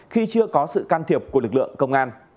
khi chưa có sự can thiệp của lực lượng công an